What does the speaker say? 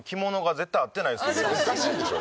おかしいでしょ？